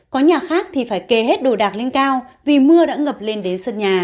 có nhà khác thì phải kề hết đồ đạc lên cao vì mưa đã ngập lên đến sân nhà